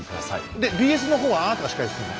でＢＳの方はあなたが司会するの？